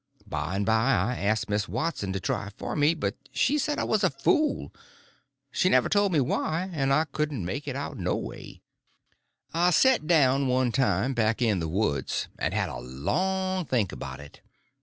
By and by, one day, I asked Miss Watson to try for me, but she said I was a fool. She never told me why, and I couldn't make it out no way. I set down one time back in the woods, and had a long think about it.